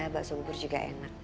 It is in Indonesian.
bakso bubur juga enak